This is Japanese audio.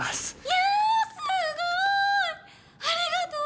やすごいありがとぉ！